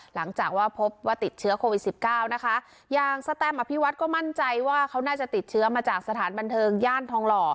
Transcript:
หลังจากว่าพบว่าติดเชื้อโควิดสิบเก้านะคะอย่างสแตมอภิวัฒน์ก็มั่นใจว่าเขาน่าจะติดเชื้อมาจากสถานบันเทิงย่านทองหล่อ